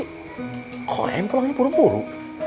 itu kenapa sih koem pulangnya puru puru